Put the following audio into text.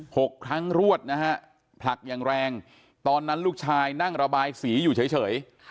หกครั้งรวดนะฮะผลักอย่างแรงตอนนั้นลูกชายนั่งระบายสีอยู่เฉยเฉย